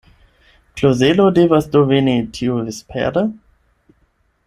Klozelo devas do veni tiuvespere?